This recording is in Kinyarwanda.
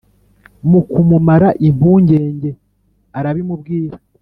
Mu kumumara impungenge arabimubwira,